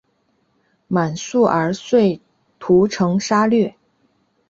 满速儿遂屠城杀掠。